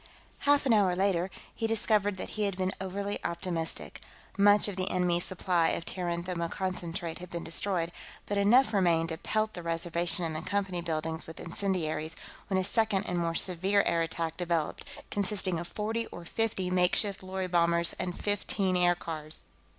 Half an hour later, he discovered that he had been overly optimistic. Much of the enemy's supply of Terran thermoconcentrate had been destroyed, but enough remained to pelt the Reservation and the Company buildings with incendiaries, when a second and more severe air attack developed, consisting of forty or fifty makeshift lorry bombers and fifteen aircars.